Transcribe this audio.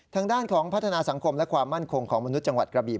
ทางด้านของพัฒนาสังคมและความมั่นคงของมนุษย์จังหวัดกระบี